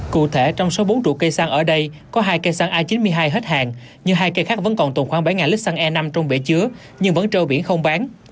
cụ thể trong số bốn trụ cây xăng ở đây có hai cây xăng a chín mươi hai hết hàng nhưng hai cây khác vẫn còn tồn khoảng bảy lít xăng e năm trong bể chứa nhưng vẫn trâu biển không bán